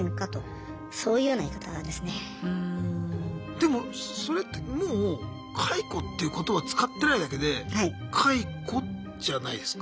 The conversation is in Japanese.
でもそれってもう解雇っていう言葉使ってないだけで解雇じゃないですか？